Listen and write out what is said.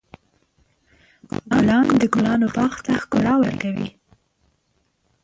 ګلان د ګلانو باغ ته ښکلا ورکوي.